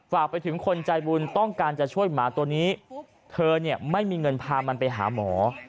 ฝากไปถึงคนใจบุญต้องการจะช่วยหมาตัวนี้เธอเนี่ยไม่มีเงินพามันไปหาหมอ